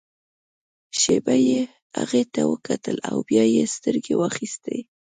شېبه يې هغې ته وکتل او بيا يې سترګې واخيستې.